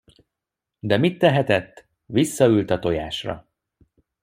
De mit tehetett, visszaült a tojásra.